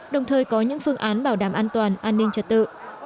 đồng thời có những phương án bảo đảm an toàn an ninh trật tự